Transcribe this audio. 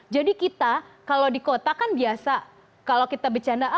jadi kita kalau di kota kan biasa kalau kita bercanda